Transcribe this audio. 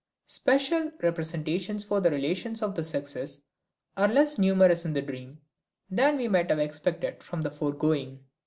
Special representations for the relations of the sexes are less numerous in the dream than we might have expected from the foregoing.